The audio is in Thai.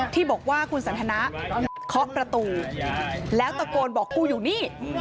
ที่บอกว่าคุณสันทนะเคาะประตูแล้วตะโกนบอกกูอยู่นี่